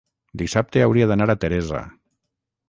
Dissabte hauria d'anar a Teresa.